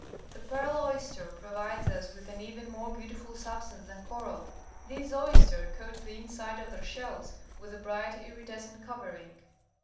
The ^earl^^yster pro^ ides us with an even more beautiful substance than coral. These oysters coat the inside of their shells with a bright, iridescent covering.